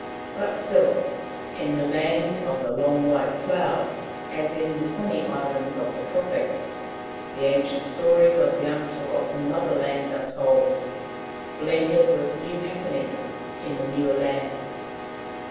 But still, in the Land of the Long White Cloud, as in the sunny islands of the tropics, the ancient stories of the unfor gotten Motherland are told, blended with new happenings in the newer lands.